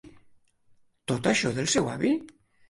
Tot això del seu avi?